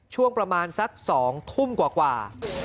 ช่วงประมาณสัก๒ทุ่มกว่า